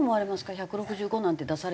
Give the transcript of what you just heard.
１６５なんて出されちゃうと。